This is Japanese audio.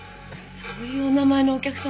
そういうお名前のお客様は。